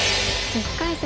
１回戦